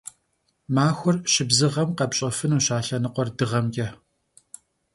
Maxuer şıbzığem khepş'efınuş a lhenıkhuer dığemç'e.